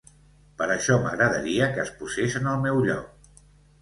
Per això m'agradaria que es posés en el meu lloc.